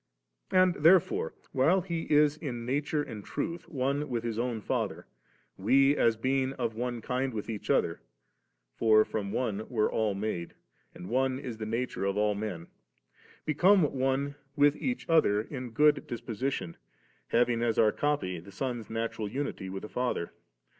And therefore, while He is in nature and truth one with His own Father, we, as being of one kind with each other (for from one were all made, and one is the nature of all men), become one with each other in good disposi tion*, having as our copy the Son's natural unity with the Father.